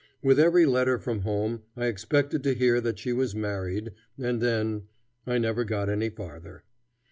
With every letter from home I expected to hear that she was married, and then I never got any farther.